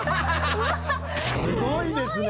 すごいですね